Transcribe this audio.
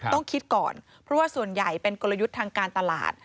ต้องคิดก่อนเพราะว่าส่วนใหญ่เป็นกลยุทธ์ทางการตลาด